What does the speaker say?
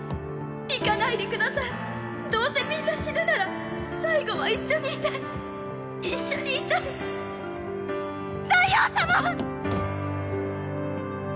行かないで下さいどうせみんな死ぬなら最後は一緒にいたい一緒にいたいっ大王様！